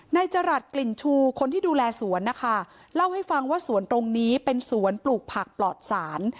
จรัสกลิ่นชูคนที่ดูแลสวนนะคะเล่าให้ฟังว่าสวนตรงนี้เป็นสวนปลูกผักปลอดศาล